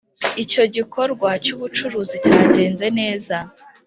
icyo gikorwa cy ubucuruzi cyagenze neza